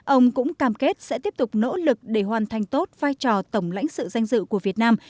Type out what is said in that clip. ông cũng cam kết sẽ tiếp tục nỗ lực để hoàn thành tốt vai trò tổng lãnh sự danh dự của việt nam